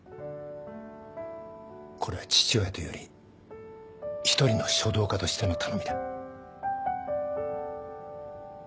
これは父親というより一人の書道家としての頼みだ。